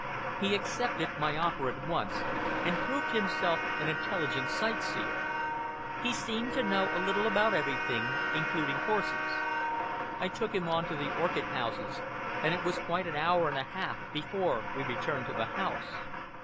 He accepted my offer at once, and proved himself an intelligent sightseer. He seemed to know a little about everything, including horses. I took him on to the orchid houses, and it was quite an hour and a half before we returned to the house.